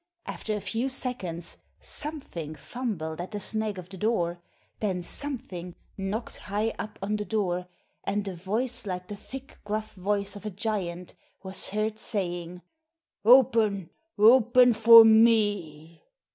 After a few seconds SOMETHING fumbled at the sneg of the door, then SOMETHING knocked high up on the door, and a voice like the thick, gruff voice of a giant was heard saying, 'Open, open for me.'